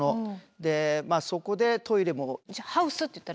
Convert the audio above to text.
でそこでトイレも。じゃあハウスって言ったら。